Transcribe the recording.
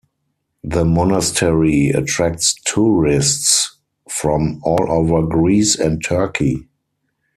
The monastery attracts tourists from all over Greece and Turkey.